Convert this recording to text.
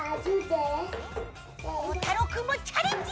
こうたろうくんもチャレンジ！